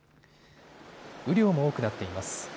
雨量も多くなっています。